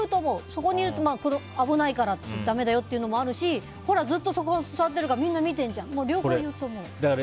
そこにいると危ないからだめだよっていうのもあるしずっとそこ座ってるから見てるじゃんとか両方いうと思う。